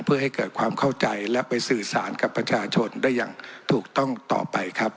เพื่อให้เกิดความเข้าใจและไปสื่อสารกับประชาชนได้อย่างถูกต้องต่อไปครับ